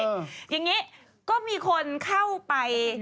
อย่างนี้ก็มีคนเข้าไป